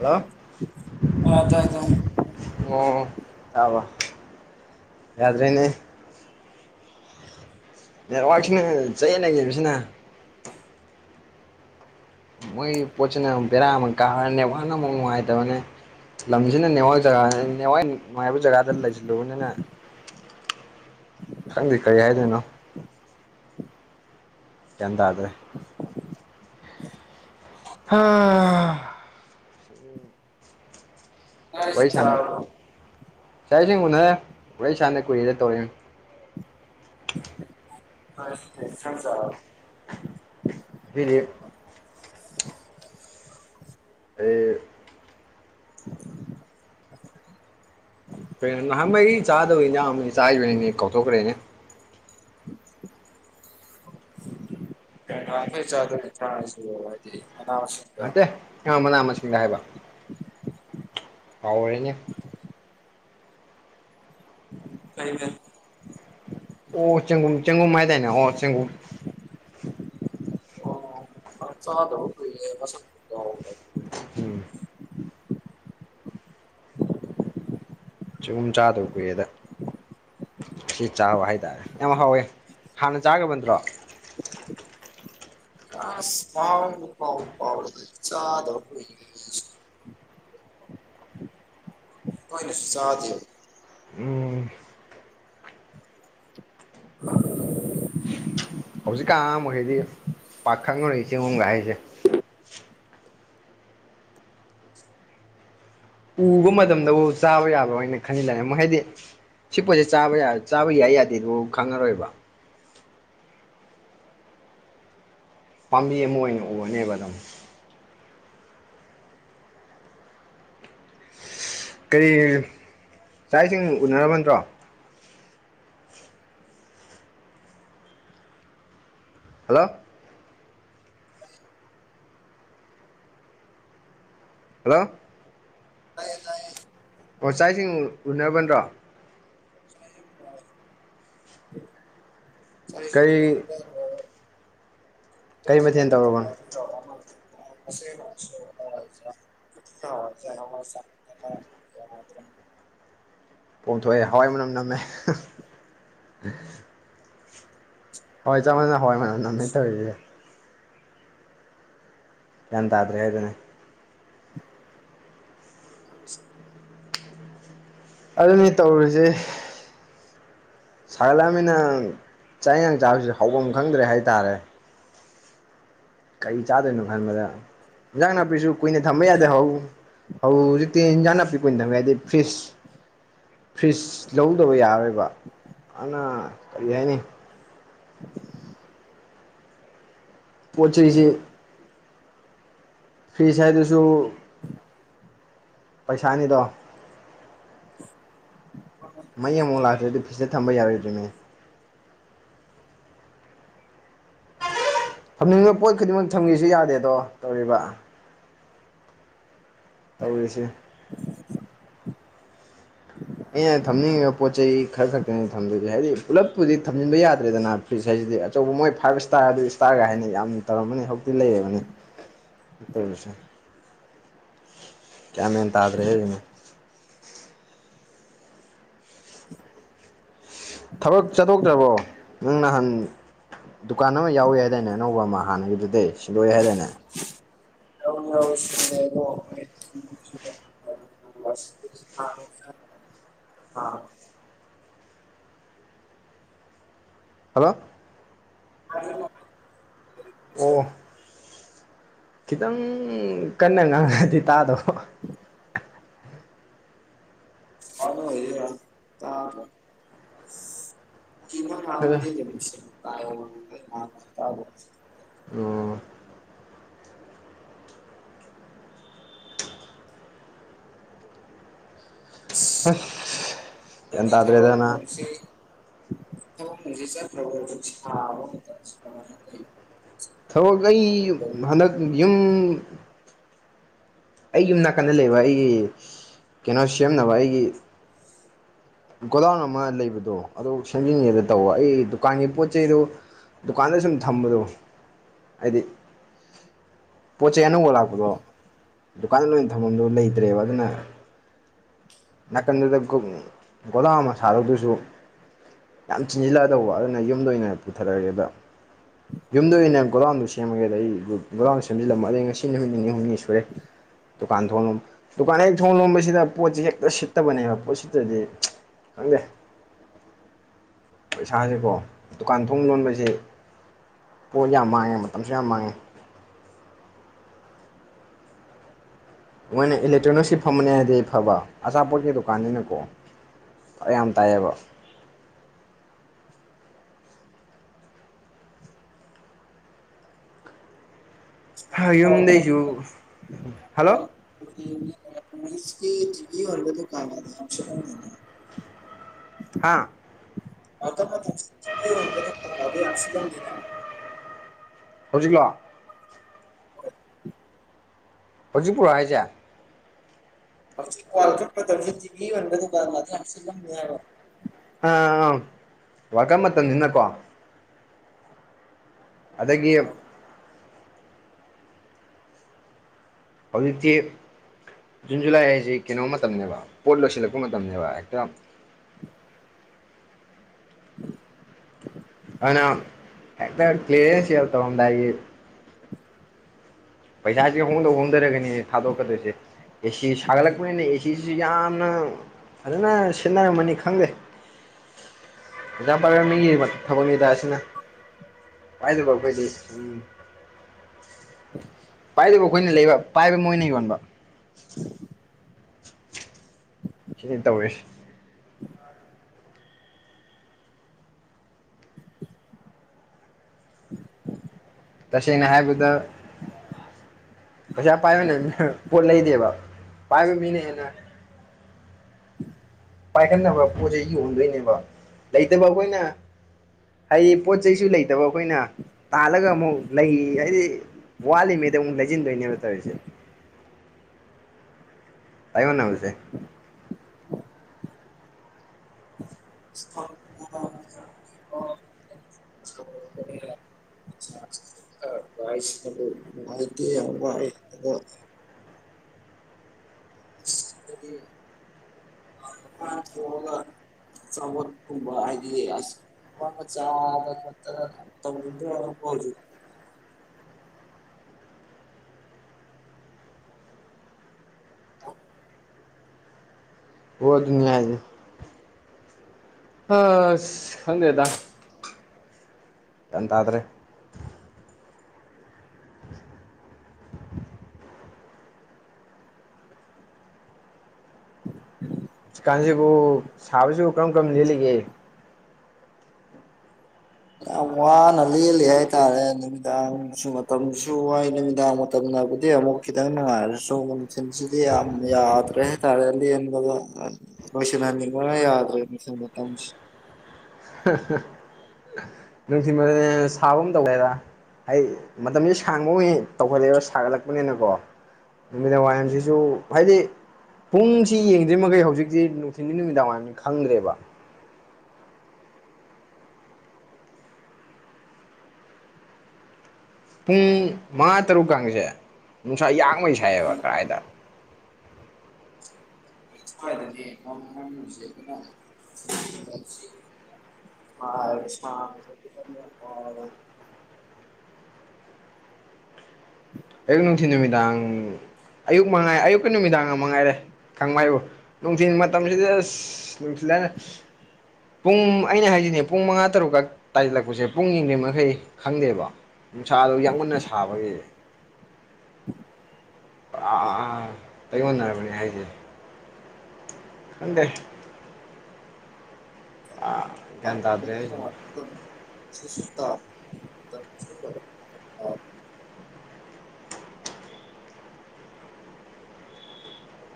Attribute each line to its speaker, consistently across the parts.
Speaker 1: hello
Speaker 2: ꯑ ꯇꯥꯏ ꯇꯥꯏ
Speaker 1: ꯑꯣ ꯑꯕ ꯌꯥꯗ꯭ꯔꯅꯦ ꯅꯦꯠꯋꯔꯛꯁꯤꯅ ꯆꯌꯦꯅ ꯌꯦꯡꯕꯁꯤꯅ ꯃꯣꯏ ꯄꯣꯠꯁꯤꯅꯨ ꯕꯦꯔꯥ ꯑꯃꯨꯛ ꯀꯥꯈꯅꯦ ꯋꯥꯅ ꯑꯃꯨꯛ ꯅꯨꯡꯉꯥꯏꯇꯕꯅꯦ ꯂꯝꯁꯤꯅ ꯅꯦꯋꯥꯏ ꯖꯒꯥ ꯅꯦꯋꯥꯏ ꯅꯨꯡꯉꯥꯏꯕ ꯖꯒꯥꯗ ꯂꯩꯁꯤꯜꯂꯨꯕꯅꯤꯅ ꯈꯪꯗꯤ ꯀꯔꯤ ꯍꯥꯏꯗꯣꯏꯅꯣ ꯆꯦꯟꯗꯗ꯭ꯔꯦ ꯑꯥ
Speaker 2: ꯑꯆꯥ
Speaker 1: ꯏ ꯏꯁꯤꯡ ꯎꯅꯔꯦ ꯎꯣꯔꯩ ꯁꯥꯥꯅ ꯀꯨꯏꯔꯦꯗ ꯇꯧꯔꯤꯅꯤ
Speaker 2: ꯍꯦ ꯐꯁ
Speaker 1: ꯞ [unintelligible] ꯑꯩ ꯀ ꯅꯍꯥꯟꯋꯥ ꯑꯩ ꯆꯥꯗꯕ ꯅꯍ ꯆꯥꯈꯤꯕꯅꯤꯅꯦ ꯀꯧꯊꯣꯛꯈ꯭ꯔꯦꯅꯦ
Speaker 2: ꯦ ꯆ ꯑꯗꯨ ꯊꯥꯁꯨ ꯍꯥꯏꯗꯤ ꯃꯅꯥ ꯃꯁꯤꯡꯒ
Speaker 1: ꯅꯠꯇꯦ ꯑ ꯃꯅꯥ ꯃꯁꯤꯡꯗ ꯍꯥꯏꯕ ꯑꯥꯎ ꯑꯣꯏꯉ
Speaker 2: ꯀꯩ ꯐ
Speaker 1: ꯑꯣ ꯆꯪꯒꯨꯝ ꯆꯪꯒꯨꯝ ꯍꯥꯏ ꯍꯥꯏꯗꯅꯦ ꯑꯣ ꯆꯪꯒꯨꯝ
Speaker 2: ꯐ ꯆꯥꯗ ꯀ ꯃꯁꯟ
Speaker 1: ꯎꯝ ꯆꯨꯝ ꯆꯥꯗꯕ ꯀꯨꯏꯑꯦꯗ ꯁꯤ ꯆꯥꯕ ꯍꯥꯏꯇꯥꯔꯦ ꯑꯃ ꯍꯥꯎꯋꯦ ꯍꯥꯟꯅ ꯆꯥꯕ ꯅꯠꯇ꯭ꯔꯣ
Speaker 2: ꯑ ꯃꯥ ꯐ ꯐꯥꯎ ꯆꯥꯗ ꯑꯩꯅꯁꯨ ꯁꯥꯗꯌ
Speaker 1: ꯎꯝ
Speaker 2: [inaudible] [unintelligible]
Speaker 1: ꯍꯧꯖꯤꯛꯀꯥꯟ ꯃꯈꯩꯗꯤ ꯄꯥꯛꯈꯪꯅꯔꯤ ꯆꯤꯡꯒꯨꯝꯒ ꯍꯥꯏꯁꯦ ꯎꯕ ꯃꯇꯝꯗꯕꯨ ꯆꯥꯕ ꯌꯥꯕ꯭ꯔꯥꯅ ꯈꯟꯜꯂꯑꯦ ꯑꯃꯨꯛ ꯍꯥꯏꯗꯤ ꯁꯤ ꯄꯣꯠꯁꯦ ꯆꯥꯕ ꯆꯥꯕ ꯌꯥꯏ ꯌꯥꯗꯦꯗꯨ ꯈꯪꯉꯔꯣꯏꯕ ꯄꯥꯝꯕꯤ ꯑꯃ ꯑꯣꯏꯅ ꯎꯒꯅꯦꯕ ꯑꯗꯨꯝ ꯀꯔꯤ ꯆꯥꯛ ꯏꯁꯤꯡ ꯎꯅꯔꯕ ꯅꯠꯇ꯭ꯔꯣ ꯍꯜꯂꯣ ꯍꯜꯂꯣ
Speaker 2: ꯇ ꯇꯑꯌꯦ
Speaker 1: ꯄꯣꯠ ꯆꯥꯏꯁꯤꯡ ꯎꯅꯕꯗ꯭ꯔꯣ
Speaker 2: [inaudible]
Speaker 1: ꯀꯔꯤ
Speaker 2: [unintelligible]
Speaker 1: ꯀꯔꯤ ꯃꯊꯦꯜ ꯇꯧꯔꯕꯅꯣ
Speaker 2: [inaudible] [unintelligible] ꯍ [unintelligible]
Speaker 1: [inaudible] [unintelligible] ꯄꯣꯝꯊꯣꯛꯑꯦ ꯍꯋꯥꯏ ꯃꯅꯝ ꯅꯝꯃꯦ ꯍꯣꯏ ꯆꯞ ꯃꯅ ꯍꯣꯏ ꯃꯝ ꯅꯥꯏ ꯇꯧꯔꯤꯁꯦ ꯒ꯭ꯌꯥꯟ ꯇꯥꯗ꯭ꯔꯦ ꯍꯥꯏꯗꯅ ꯑꯗꯨꯅꯤ ꯇꯧꯔꯤꯨꯁꯦ ꯁꯥꯒꯠꯂꯛꯑꯕꯅꯤꯅ ꯆꯥꯛꯌꯦꯌꯥꯡ ꯆꯥꯁꯨ ꯍꯐꯝ ꯈꯪꯗ꯭ꯔꯦ ꯍꯥꯏꯇꯥꯔꯦ ꯀꯔꯤ ꯆꯥꯗꯣꯏꯅꯣ ꯈꯟꯕꯗ ꯏꯟꯖꯥꯡ ꯅꯥꯄꯤꯁꯨ ꯀꯨꯏꯅ ꯊꯝꯕ ꯌꯥꯗꯦ ꯍꯧ ꯍꯧ ꯍꯧꯖꯤꯛꯇꯤ ꯏꯟꯖꯥꯡ ꯅꯥꯄꯤꯛꯄ ꯑꯣꯏꯅ ꯊꯝꯒꯦꯗꯤ ꯐꯔꯤꯁ ꯐ꯭ꯔꯤꯖ ꯂꯧꯗꯕ ꯌꯥꯔꯣꯏꯕ ꯑꯗꯨꯅ ꯀꯔꯤ ꯍꯥꯏꯅꯤ ꯄꯣꯠ ꯆꯩꯣꯏꯁꯤ ꯐꯔꯤꯁꯥꯏꯗꯁꯨ ꯄꯩꯁꯥꯅꯤꯗꯣ
Speaker 2: ꯎ [unintelligible] [inaudible]
Speaker 1: ꯃꯩ ꯑꯃꯨꯥꯎ ꯂꯥꯛꯇ꯭ꯔꯗꯤ ꯐꯤꯁꯇ ꯊꯝꯕ ꯌꯥꯔꯣꯏꯗ꯭ꯔꯤꯅꯦ ꯐꯝꯅꯤꯡꯕ ꯄꯣꯠ ꯈꯨꯗꯤꯡꯃꯛ ꯊꯝꯉꯁꯨ ꯌꯥꯗꯦꯗꯣ ꯇꯧꯔꯤꯕ ꯇꯧꯔꯤꯁꯦ ꯑꯩꯅ ꯊꯝꯅꯤꯡꯉꯤꯕ ꯄꯣꯠ ꯆꯩ ꯈꯔ ꯈꯛꯇꯅꯤ ꯊꯝꯗꯣꯏꯒꯦ ꯍꯥꯏꯗꯤ ꯄꯨꯂꯞꯄꯨꯗꯤ ꯊꯝꯖꯤꯟꯕ ꯌꯥꯗ꯭ꯔꯦꯗꯅ ꯐ꯭ꯔꯤꯖ ꯍꯥꯏꯁꯤ ꯍꯥꯏꯗꯤ ꯑꯆꯧꯕ ꯃꯣꯏ ꯐꯥꯏꯚ ꯏꯁꯇꯥꯔ ꯑꯗꯨ ꯏꯁꯇꯥꯔꯒ ꯍꯥꯏꯅ ꯌꯥꯝꯅ ꯇꯧꯔꯝꯃꯅꯤ ꯍꯧꯖꯤꯛꯇꯤ ꯂꯩꯔꯕꯅꯤ ꯇꯔꯁ ꯀꯌꯥ ꯃꯦꯍꯟ ꯇꯗ ꯔꯦ ꯑꯗꯨꯩꯅ
Speaker 2: [unintelligible] [inaudible]
Speaker 1: ꯊꯕꯛ ꯆꯠꯊꯣꯛꯇ꯭ꯔꯕꯣ ꯅꯪ ꯅꯍꯥꯟ ꯗꯨꯀꯥꯟ ꯑꯃ ꯌꯥꯎꯋꯦ ꯍꯥꯏꯗꯥꯏꯅꯦ ꯑꯅꯧꯕ ꯑꯃ ꯍꯥꯟꯅꯒꯤꯗꯨꯗꯤ ꯁꯤꯗꯣꯛꯑꯦ ꯍꯥꯏꯗꯥꯏꯅꯦ
Speaker 2: ꯍꯧ [unintelligible] [inaudible] ꯑ [unintelligible] [inaudible]
Speaker 1: ꯍꯜꯂꯣ
Speaker 2: ꯑ [unintelligible] [inaudible]
Speaker 1: ꯑꯣ ꯈꯤꯇꯪ ꯀꯟꯅ ꯉꯥꯡꯉꯗꯤ ꯇꯥꯗꯣ
Speaker 2: ꯑ ꯑꯣꯏ ꯇ ꯀꯅ
Speaker 1: ꯑꯗꯣ
Speaker 2: ꯊꯥꯟ ꯃ ꯂꯩꯁ ꯀ
Speaker 1: ꯑꯣ [unintelligible] [inaudible] ꯑꯦꯇꯗ꯭ꯔꯦꯗꯅ
Speaker 2: ꯍ ꯃ ꯆ꯭ꯔꯣꯕ ꯊꯕ
Speaker 1: ꯊꯕꯛ ꯑꯩ ꯍꯟꯗꯛ ꯌꯨꯝ ꯑꯩ ꯌꯨꯝ ꯅꯥꯀꯟꯗ ꯂꯩꯕ ꯑꯩꯒꯤ ꯀꯩꯅꯣ ꯁꯦꯝꯅꯕ ꯑꯩꯒꯤ ꯒꯣꯗꯥꯎꯟ ꯑꯃ ꯂꯩꯕꯗꯣ ꯑꯗꯨ ꯁꯦꯝꯖꯤꯟꯉꯦꯗ ꯇꯧꯕ ꯑꯩ ꯗꯨꯀꯥꯟꯒꯤ ꯄꯣꯠ ꯆꯩꯗꯨ ꯗꯨꯀꯥꯟꯗ ꯁꯨꯝ ꯊꯝꯕꯗꯣ ꯍꯥꯏꯗꯤ ꯄꯣ ꯆꯦ ꯑꯅꯧꯕ ꯂꯥꯛꯄꯗꯣ ꯗꯨꯀꯥꯟꯗ ꯂꯣꯏ ꯑꯣꯏꯅ ꯊꯝꯐꯝꯗꯣ ꯂꯩꯇ꯭ꯔꯦꯕ ꯑꯗꯨꯅ ꯅꯥꯀꯟꯗꯨꯗ ꯒꯣꯂꯥ ꯑꯃ ꯁꯥꯔꯨꯗꯨꯁꯨ ꯌꯥꯝ ꯆꯤꯟꯁꯤꯜꯂꯛꯑꯗꯧꯕ ꯑꯗꯨꯅ ꯌꯨꯝꯗ ꯑꯣꯏꯅ ꯄꯨꯊꯔꯛꯑꯒꯦꯕ ꯌꯨꯝꯗ ꯑꯣꯏꯅ ꯒꯣꯗꯥꯟꯗꯨ ꯁꯦꯝꯃꯒꯦꯗ ꯑꯩ ꯒꯣꯗꯥꯟꯗ ꯁꯦꯝꯖꯤꯜꯂꯝꯃ ꯑꯗ ꯉꯁꯤ ꯅꯨꯃꯤꯠ ꯅꯤꯅꯤ ꯍꯨꯝꯅꯤ ꯁꯨꯔꯦ ꯗꯨꯀꯥꯟ ꯊꯣꯡꯂꯣꯝ ꯗꯨꯀꯥꯟ ꯍꯦꯛ ꯊꯣꯡ ꯂꯣꯝꯕꯁꯤꯗ ꯄꯣꯠꯁꯤ ꯍꯦꯛꯇ ꯁꯤꯠꯇꯕꯅꯦꯕ ꯄꯣꯠ ꯁꯤꯠꯇ꯭ꯔꯗꯤꯦ ꯍꯪꯗꯦ ꯄꯩꯁꯁꯤꯀꯣ ꯗꯨꯀꯥꯟ ꯊꯣꯡ ꯂꯣꯟꯕꯁ ꯄꯣꯠ ꯌꯥꯝ ꯃꯥꯡꯉꯦ ꯃꯇꯝꯁꯨ ꯌꯥꯝ ꯃꯥꯡꯉꯦ ꯃꯣꯏꯅ ꯏꯂꯦꯛꯇ꯭ꯔꯣꯅꯤꯛꯁꯤ ꯐꯝꯕꯅꯦ ꯍꯥꯏꯗꯤ ꯐꯕ ꯑꯆꯥꯄꯣꯠꯀꯤ ꯗꯨꯀꯥꯟꯅꯤꯅꯀꯣ ꯌꯥꯝ ꯇꯥꯏꯌꯦꯕ ꯌꯨꯝꯗꯩꯁꯨ ꯍꯜꯂꯣ
Speaker 2: [unintelligible]
Speaker 1: ꯍꯥꯥ
Speaker 2: [unintelligible]
Speaker 1: ꯍꯧꯖꯤꯛꯂꯣ
Speaker 2: [unintelligible]
Speaker 1: ꯍꯧꯖꯤꯛ ꯄꯨꯔꯣ ꯍꯥꯏꯁꯦ
Speaker 2: [unintelligible]
Speaker 1: ꯑ ꯑ ꯋꯥꯜ ꯀꯞ ꯃꯇꯝꯅꯤꯅꯀꯣ ꯑꯗꯒꯤ ꯍꯧꯖꯤꯛꯇ ꯖꯨꯟ ꯖꯨꯂꯥꯏ ꯍꯥꯏꯁꯤ ꯀꯩꯅꯣ ꯃꯇꯝꯅꯤꯅꯦꯕ ꯄꯣꯠ ꯂꯣꯏꯁꯤꯜꯂꯛꯄ ꯃꯇꯝꯅꯦꯕ ꯍꯦꯛꯇ [unintelligible] ꯑꯅ ꯑꯦ ꯀ꯭ꯂꯤꯌꯥꯁ ꯇꯣꯏ ꯄꯩꯁꯥꯥꯁ ꯍꯣꯡꯗ ꯍꯣꯡꯊꯔꯒꯅꯤ ꯊꯥꯗꯣꯛꯀꯗꯣꯏꯁꯦ ꯑꯦꯁꯤ ꯁꯥꯒꯠꯂꯛꯄꯅꯤꯅ ꯑꯦꯁꯤꯁꯨ ꯌꯥꯝꯅ ꯐꯖꯅ ꯁꯤꯠꯟꯅꯔꯝꯃꯅꯤ ꯈꯪꯗꯦ ꯑꯣꯖꯥ ꯄꯥꯏꯦꯕ ꯃꯤꯒꯤ ꯊꯕꯛ ꯃꯤꯗꯥ ꯑꯁꯤꯅ ꯍꯥꯏꯥꯏꯗꯕ ꯀꯣꯏꯗꯤ ꯎꯝ ꯄꯥꯏꯗꯕ ꯑꯩꯈꯣꯏꯅ ꯂꯩꯕ ꯄꯥꯏꯕ ꯃꯣꯏꯅ ꯌꯣꯟꯕ ꯁꯤ ꯇꯧꯁ ꯇꯁꯦꯡꯅ ꯍꯥꯏꯍꯥꯏꯕꯗꯜ ꯄꯩꯁꯥ ꯄꯥꯏꯕꯅꯦ ꯄꯣꯠ ꯂꯩꯗꯦꯕ ꯄꯥꯏꯕ ꯃꯤꯅ ꯍꯦꯟꯅ ꯄꯥꯏꯈꯠꯅꯕ ꯄꯣꯠꯁꯦ ꯌꯣꯟꯗꯣꯏꯅꯦꯕ ꯂꯩꯇꯕ ꯑꯩꯈꯣꯏꯅ ꯍꯥꯏꯗꯤ ꯄꯣꯠ ꯆꯩꯁꯨ ꯂꯩꯇꯕ ꯑꯩꯈꯣꯏꯅ ꯇꯥꯜꯂꯒ ꯑꯃꯨꯛ ꯂꯩ ꯍꯥꯏꯗꯤ ꯋꯥꯠꯂꯤ ꯃꯗꯨꯛ ꯂꯩꯖꯤꯟꯗꯣꯏꯅꯦꯕ ꯇꯧꯔꯁꯦ ꯇꯥꯏꯃꯣꯟꯅꯝꯁꯦ
Speaker 2: [unintelligible] [unintelligible] ꯑꯗꯨꯗꯤ ꯆꯕ ꯀꯨꯝꯕ ꯍꯥꯏꯗꯤꯁ ꯋꯥ ꯆꯥ ꯑꯃꯥ ꯇꯧꯅꯤꯪꯗꯔ ꯍꯔꯕꯣꯗꯨ
Speaker 1: ꯑꯣ ꯅꯤꯍꯥꯏꯔꯦꯁꯦ ꯑꯁ ꯈꯪꯗꯦꯗ ꯑꯦꯟꯗꯗ꯭ꯔꯦ ꯆꯤꯀꯥꯟꯁꯤꯕꯨ ꯁꯥꯕꯁꯤꯕꯨ ꯀꯔꯝ ꯀꯔꯝ ꯂꯦꯜꯂꯤꯒꯦ
Speaker 2: ꯌꯥꯝ ꯋꯥꯅ ꯂꯦꯜꯂꯤ ꯍꯥꯏꯇꯥꯔꯦ ꯅꯨꯃꯤꯗꯥꯡꯁꯨ ꯃꯇꯝꯁꯨ ꯋꯥꯏ ꯅꯨꯃꯤꯗꯥꯡ ꯃꯇꯝꯗ ꯑꯗꯨꯗꯤ ꯑꯃꯨꯛ ꯈꯤꯇꯪ ꯅꯨꯡꯉꯥꯏꯔꯦ ꯁꯣꯕ ꯅꯨꯡꯊꯤꯟꯁꯤꯗꯤ ꯌꯥꯝ ꯌꯥꯗ꯭ꯔꯦ ꯍꯥꯏꯇꯥꯔꯦ ꯂꯦꯟꯕꯒ ꯃꯁꯤꯁ ꯅꯅꯤ ꯀ ꯌꯥꯗꯔꯠꯇꯪꯁꯤ
Speaker 1: ꯅꯨꯡꯊꯤꯟ [unintelligible] ꯁꯥꯕ ꯑꯃ ꯇꯧꯒꯦꯔ ꯍ ꯃꯇꯝꯁꯦ ꯁꯥꯡꯕ ꯇꯧꯈꯠꯂꯛꯦꯕ ꯁꯥꯒꯠꯂꯛꯄꯅꯤꯅꯀꯣ ꯅꯨꯃꯤꯗꯥꯡ ꯋꯥꯏꯔꯝꯁꯤꯁꯨ ꯍꯥꯏꯗꯤ ꯄꯨꯡꯁꯤ ꯌꯦꯡꯗ꯭ꯔꯤꯃꯩ ꯍꯧꯖꯤꯛꯁꯤ ꯅꯨꯡꯊꯤꯤꯟꯒꯤ ꯅꯨꯃꯤꯗꯥꯡ ꯋꯥꯏꯔꯝꯅꯤ ꯈꯪꯗ꯭ꯔꯦꯕ ꯄꯨꯡ ꯃꯉꯥ ꯇꯔꯨꯛꯀꯁꯦ ꯅꯨꯡꯁꯥ ꯌꯥꯡꯉꯩ ꯁꯥꯏꯑꯕ ꯀꯗꯥꯥꯏꯗ
Speaker 2: [unintelligible] ꯑ ꯁꯥꯕꯒꯤꯁꯦ ꯌꯥꯝ ꯋꯥꯕꯥ
Speaker 1: ꯑꯌꯨꯛ ꯅꯨꯡꯊꯤ ꯅꯨꯃꯤꯗꯥꯡ ꯑꯌꯨꯛ ꯃꯉꯥꯏ ꯑꯌꯨꯛꯀꯤ ꯅꯨꯃꯤꯗꯥꯡ ꯑꯃ ꯃꯉꯥꯏꯔꯦ ꯈꯪꯕ ꯍꯥꯏꯕꯨ ꯅꯨꯡꯊꯤꯜ ꯃꯇꯝꯁꯤꯗ ꯑꯁ ꯅꯨꯡꯊꯤꯜ ꯄꯨꯡ ꯑꯩꯅ ꯍꯥꯏꯁꯤꯅꯦ ꯄꯨꯡ ꯃꯉꯥ ꯇꯔꯨꯛꯀꯛ ꯇꯥꯏꯁꯤꯜꯂꯛꯄꯁꯦ ꯄꯨꯡ ꯌꯥꯡꯗꯩ ꯃꯈꯩ ꯈꯪꯗꯦꯕ ꯅꯨꯡꯁꯥꯗꯣ ꯌꯥꯝꯃꯨꯟꯅ ꯁꯥꯕꯒꯤ ꯑꯥ ꯑꯥꯥ ꯇꯩꯉꯣꯟꯟꯅꯔꯕꯅꯦ ꯍꯥꯏꯁꯦ ꯈꯡꯗꯦ ꯑ ꯌꯦꯟ ꯇꯥꯗ꯭ꯔꯦ
Speaker 2: ꯁꯁ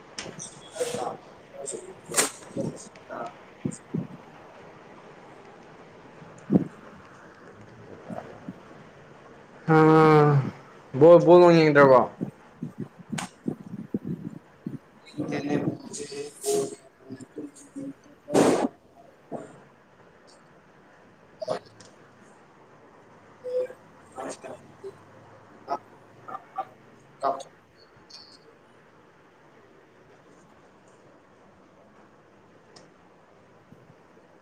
Speaker 2: [unintelligible]
Speaker 1: ꯑꯣꯣꯜ ꯋꯥꯉꯇ꯭ꯔꯀꯣ
Speaker 2: ꯀ
Speaker 1: [inaudible]
Speaker 2: [inaudible] ꯍꯁꯀꯔ ꯀ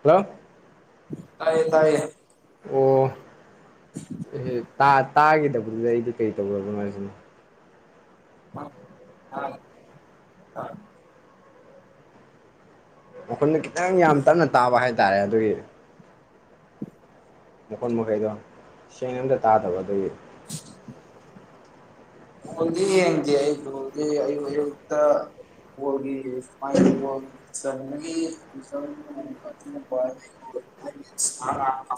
Speaker 1: ꯍꯜꯂꯣ
Speaker 2: ꯇꯥꯏꯌꯦ ꯇꯥꯏꯌꯦ
Speaker 1: ꯑꯣ ꯇꯥꯈꯤꯗꯕꯗꯨꯗ ꯑꯩꯗꯤ ꯀꯩ ꯇꯧꯗꯅꯣ ꯍꯥꯏꯁꯤꯅ
Speaker 2: ꯑ ꯑ ꯑ
Speaker 1: ꯑꯩꯈꯣꯏꯅ ꯈꯤꯇꯪ ꯌꯥꯝ ꯇꯞꯅ ꯇꯥꯕ ꯍꯥꯏꯇꯥꯔꯦ ꯑꯗꯨꯒꯤ ꯃꯈꯣꯟ ꯃꯈꯩꯗꯣ ꯁꯦꯡꯅ ꯑꯝꯇ ꯇꯥꯗꯕ ꯑꯗꯨꯒꯤ
Speaker 2: [unintelligible] ꯍꯗꯤ ꯌꯦꯡꯗꯦ ꯑꯩꯕꯨꯗꯤ ꯑꯩ ꯍꯧꯌꯛꯇ ꯍ ꯃꯥꯏ ꯍ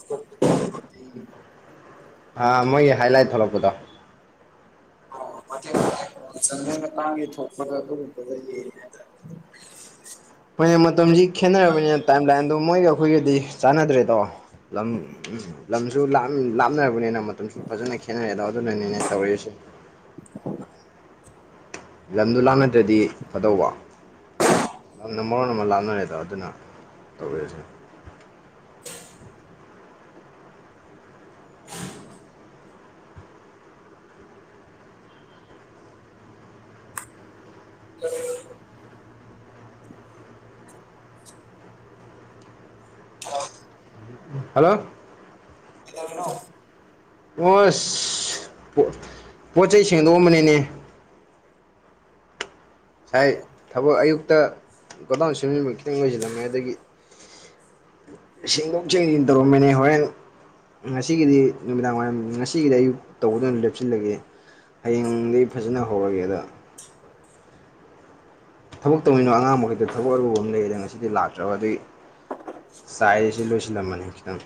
Speaker 2: ꯆꯒꯤ [unintelligible]
Speaker 1: ꯃꯣꯏꯒꯤ ꯍꯥꯏꯂꯥꯏꯠ ꯊꯣꯛꯂꯛꯄꯗꯣ
Speaker 2: ꯑꯣꯦ ꯆꯪꯗꯅ ꯇꯥꯡꯒꯦ ꯊꯣꯛꯄꯒ ꯑꯗꯨꯒꯨꯝꯕꯗ
Speaker 1: ꯃ ꯈꯦꯅꯔ ꯇ ꯑꯗꯣ ꯃꯣꯏꯒ ꯑꯩꯈꯣꯏꯒꯗꯤ ꯆꯥꯟꯅꯗ꯭ꯔꯦꯗꯣ ꯂꯝ ꯂꯝꯁꯨ ꯂꯥꯞꯅꯔꯕꯅꯤꯅ ꯃꯇꯝ ꯐꯖꯅ ꯈꯦꯠꯅꯔꯦꯗꯣ ꯑꯗꯨꯅꯅꯦꯅꯦ ꯇꯧꯔꯤꯁꯦ ꯂꯝꯗꯨ ꯂꯥꯟꯅꯗ꯭ꯔꯗꯤ ꯐꯗꯧꯕꯧꯕ ꯌꯥꯝꯅ ꯃꯔꯣꯟ ꯑꯃ ꯂꯥꯞꯅꯔꯦꯗ ꯑꯗꯨꯅ ꯇꯧꯕꯤꯔꯁꯦ [inaudible]
Speaker 2: ꯑ
Speaker 1: ꯍꯜꯂꯣ
Speaker 2: ꯏꯔꯅꯣ
Speaker 1: ꯑꯁ ꯄꯣꯠꯆꯩ ꯁꯦꯡꯗꯣꯛꯑꯝꯕꯅꯤꯅꯦ ꯉꯁꯥꯏ ꯊꯕꯛ ꯑꯌꯨꯛꯇ ꯒꯣꯗꯥꯎꯟ ꯁꯦꯝꯖꯤꯟꯕ ꯈꯤꯇꯪ ꯂꯣꯏꯁꯤꯜꯂꯝꯃꯦ ꯑꯗꯒꯤ ꯁꯦꯡꯗꯣꯛ ꯁꯦꯡꯖꯤꯟ ꯇꯧꯔꯝꯕꯅꯦ ꯍꯣꯔꯦꯟ ꯉꯁꯤꯒꯤꯗꯤ ꯅꯨꯃꯤꯗꯥꯡ ꯋꯥꯏꯔꯝ ꯉꯁꯤꯒꯤꯗꯤ ꯑꯌꯨꯛ ꯇꯧꯕꯗ ꯑꯣꯏꯅ ꯂꯦꯞꯁꯤꯜꯂꯒꯦ ꯍꯌꯦꯡꯗꯒꯤ ꯐꯖꯅ ꯍꯧꯔꯒꯦꯗ ꯊꯕꯛ ꯇꯧꯃꯤꯅꯣ ꯑꯉꯥꯡ ꯃꯈꯈꯩꯛꯇ ꯊꯕꯛ ꯑꯔꯨꯕ ꯑꯃ ꯂꯩꯌꯦꯗꯅ ꯉꯁꯤꯗꯤ ꯂꯥꯛꯇ꯭ꯔꯕ ꯑꯗꯨꯏ ꯆꯥꯏꯔꯤꯁꯦ ꯂꯣꯏꯁꯤꯜꯂꯝꯃꯅꯤ ꯈꯤꯇꯪ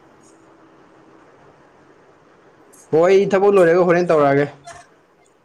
Speaker 2: [inaudible] [inaudible]
Speaker 1: ꯍ ꯑꯩ ꯊꯕꯛ ꯂꯣꯏꯔꯒ ꯍꯣꯔꯦꯟ ꯇꯧꯔꯛꯑꯒꯦ